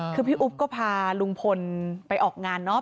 คือพี่อุ๊บก็พาลุงพลไปออกงานเนาะ